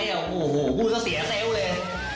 โอ้โหตายอะไรอ่ะโอ้โหพูดเสียเซลล์เลย